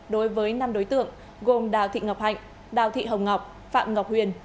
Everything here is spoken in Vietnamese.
đối với năm đối tượng gồm đào thị ngọc hạnh đào thị hồng ngọc phạm ngọc huyền